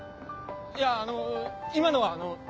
いやあの今のはあの。